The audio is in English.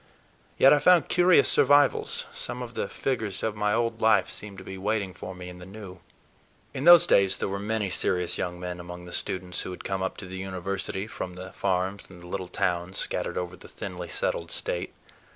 Yet I found curious survivals; some of the figures of my old life seemed to be waiting for me in the new. In those days there were many serious young men among the students who had come up to the University from the farms and the little towns scattered over the thinly settled State.